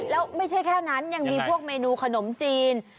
แล้วไม่ใช่แค่นั้นยังมีพวกเมนูขนมจีน